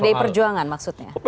pdi perjuangan maksudnya